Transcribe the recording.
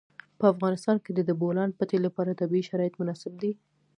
په افغانستان کې د د بولان پټي لپاره طبیعي شرایط مناسب دي.